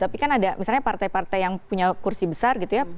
tapi kan ada misalnya partai partai yang punya kursi besar gitu ya